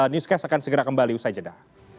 newscast akan segera kembali usai jeda